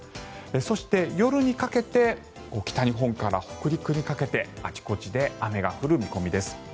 そして、夜にかけて北日本から北陸にかけてあちこちで雨が降る見込みです。